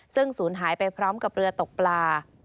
ซึ่งศูนย์หายไปพร้อมกับเรือตกปลา